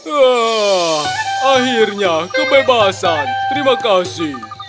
wah akhirnya kebebasan terima kasih